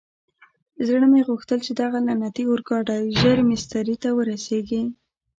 زړه مې غوښتل چې دغه لعنتي اورګاډی ژر مېسترې ته ورسېږي.